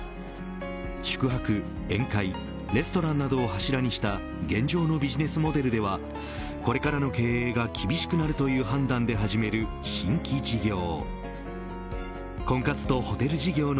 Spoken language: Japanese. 宿泊、宴会レストランなどを柱にした現状のビジネスモデルではこれからの経営が厳しくなるという判断で始める新規事業。